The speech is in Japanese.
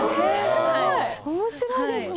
面白いですね。